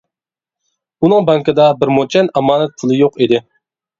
ئۇنىڭ بانكىدا بىر موچەن ئامانەت پۇلى يوق ئىدى.